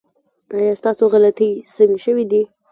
ایا ستاسو غلطۍ سمې شوې دي؟